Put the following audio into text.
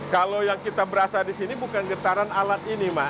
kalau yang kita berasa di sini bukan getaran alat ini mbak